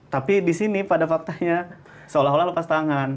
tapi di sini pada faktanya seolah olah lepas tangan